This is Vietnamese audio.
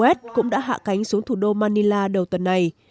west cũng đã hạ cánh xuống thủ đô manila đầu tuần này